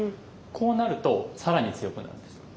こうなると更に強くなるんです。